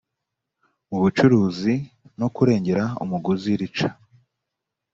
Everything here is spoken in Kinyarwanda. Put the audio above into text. mu bucuruzi no kurengera umuguzi rica